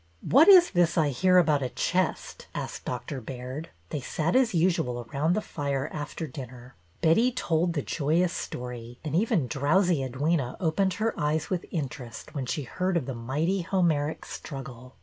"What is this I hear about a chest?" asked Dr. Baird. They sat as usual around the fire after dinner. Betty told the joyous story, and even drowsy Edwyna opened her eyes with interest when she heard of the mighty Homeric struggle.